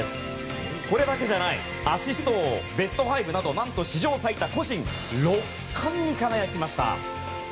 これだけじゃない、アシスト王やベストファイブなど何と史上最多個人６冠に輝きました。